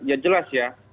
ya jelas ya